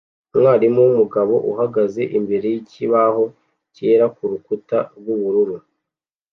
Umwarimu wumugabo uhagaze imbere yikibaho cyera kurukuta rwubururu